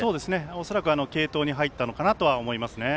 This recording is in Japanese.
恐らく、継投に入ったのかなとは思いますね。